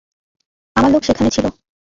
আমার লোক সেখানে ছিল।